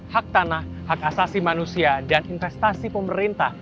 hak tanah hak asasi manusia dan investasi pemerintah